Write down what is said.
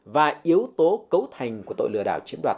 và yếu tố cấu thành của tội lừa đảo chiếm đoạt